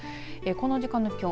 この時間の気温